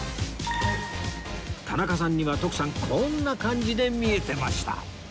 田中さんには徳さんこんな感じで見えてました